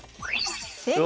正解！